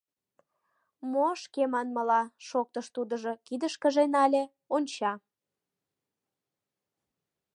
— Мо, шке манмыла, — шоктыш тудыжо, кидышкыже нале, онча.